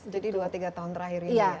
jadi dua tiga tahun terakhir ini ya